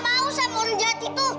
sita nggak mau sama orang jahat itu